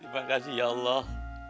makasih ya allah